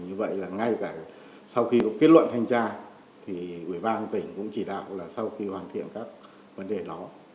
như vậy là ngay cả sau khi có kết luận thanh tra thì ủy ban tỉnh cũng chỉ đạo là sau khi hoàn thiện các vấn đề đó